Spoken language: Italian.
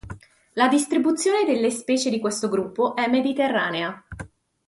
La distribuzione delle specie di questo gruppo è mediterranea.